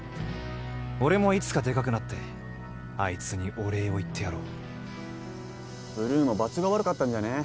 俺もいつかでかくなってアイツにお礼を言ってやろうブルーもばつが悪かったんじゃね？